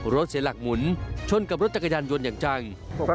เสียหลักหมุนชนกับรถจักรยานยนต์อย่างจัง